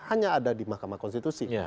hanya ada di mahkamah konstitusi